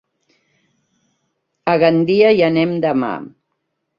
A Gandia hi anem demà.